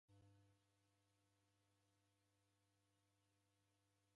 Deda mboa mboa